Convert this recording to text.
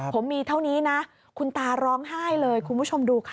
ผมมีเท่านี้นะคุณตาร้องไห้เลยคุณผู้ชมดูค่ะ